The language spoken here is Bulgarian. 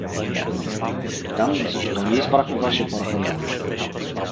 капитан, защо ние избрахме вашия параход?